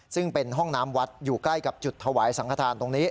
ซึ่งเป็นห้องน้ำวัดอยู่ใกล้กับจุดถวายสังขทานตรงนี้